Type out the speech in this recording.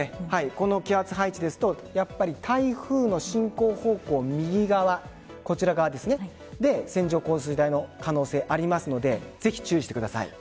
この気圧配置ですと台風の進行方向右側で線状降水帯の可能性ありますのでぜひ注意してください。